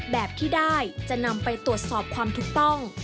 แบบที่ได้จะนำไปตรวจสอบความถูกต้อง